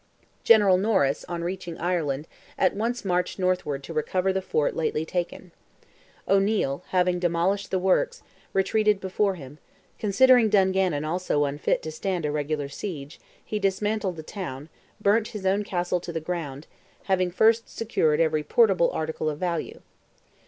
General Norris, on reaching Ireland, at once marched northward to recover the fort lately taken. O'Neil, having demolished the works, retreated before him; considering Dungannon also unfit to stand a regular siege, he dismantled the town, burnt his own castle to the ground, having first secured every portable article of value.